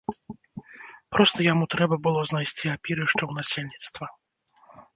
Проста яму трэба было знайсці апірышча ў насельніцтва.